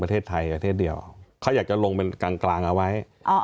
ประเทศเดียวเขาอยากจะลงเป็นกลางเอาไว้